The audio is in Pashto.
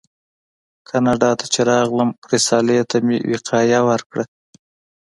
کاناډا ته چې راغلم رسالې ته مې وقایه ورکړه.